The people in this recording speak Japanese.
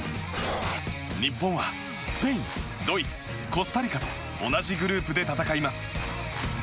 日本はスペイン、ドイツ、コスタリカと同じグループで戦います。